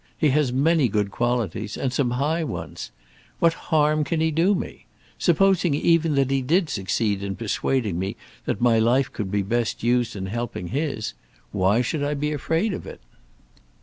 He has many good qualities, and some high ones. What harm can he do me? Supposing even that he did succeed in persuading me that my life could be best used in helping his, why should I be afraid of it?"